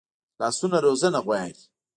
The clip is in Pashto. لاسونه روزنه غواړي